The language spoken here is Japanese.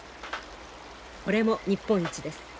これも日本一です。